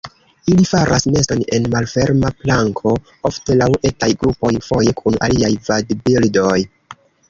Ili faras neston en malferma planko, ofte laŭ etaj grupoj, foje kun aliaj vadbirdoj.